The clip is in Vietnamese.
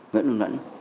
nguyễn văn mấn